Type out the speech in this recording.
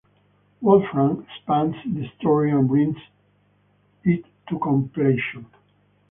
Wolfram expands the story and brings it to completion.